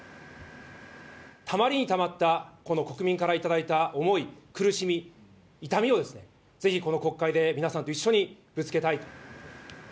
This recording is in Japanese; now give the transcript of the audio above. たまりにたまったこの国民から頂いた思い、苦しみ、痛みをですね、ぜひこの国会で皆さんと一緒にぶつけたいと。